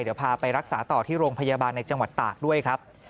เดี๋ยวพาไปรักษาต่อที่โรงพยาบาลในจังหวัดตากด้วยครับ